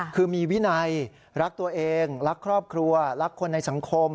คือมีวินัยรักตัวเองรักครอบครัวรักคนในสังคม